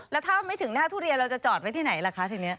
แล้วถ้าไม่ถึงหน้าทุเรียนเราจะจอดไว้ที่ไหนล่ะคะทีนี้